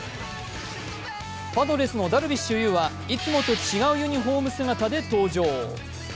パドレスのダルビッシュ有はいつもと違うユニフォーム姿で登場。